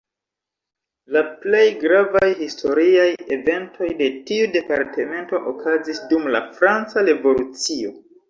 La plej gravaj historiaj eventoj de tiu departemento okazis dum la franca Revolucio.